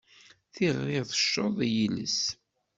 Tiɣri tecceḍ i yiles.